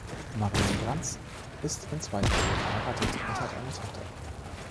Marianne Granz ist in zweiter Ehe verheiratet und hat eine Tochter.